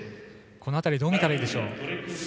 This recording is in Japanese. この辺り、どう見たらいいんでしょう。